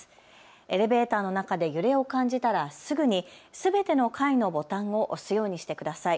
エレベーターの中で揺れを感じたらすぐにすべての階のボタンを押すようにしてください。